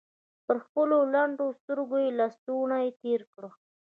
پر خپلو لندو سترګو يې لستوڼۍ تېر کړ.